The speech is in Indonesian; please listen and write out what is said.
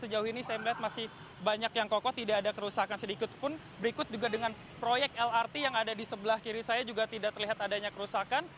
sejauh ini saya melihat masih banyak yang kokoh tidak ada kerusakan sedikit pun berikut juga dengan proyek lrt yang ada di sebelah kiri saya juga tidak terlihat adanya kerusakan